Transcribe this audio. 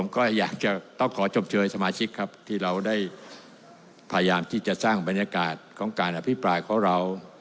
ก็อยากจะต้องขอชมเชยสมาชิกครับที่เราได้พยายามที่จะสร้างบรรยากาศของการอภิปรายของเรา